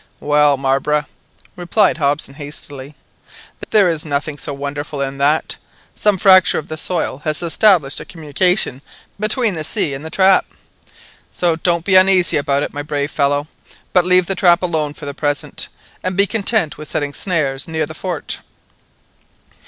"Well, Marbre," replied Hobson hastily, "there is nothing so wonderful in that. Some fracture of the soil has established a communication between the sea and the trap. So don't be uneasy about it, my brave fellow, but leave the trap alone for the present, and be content with setting snares near the fort."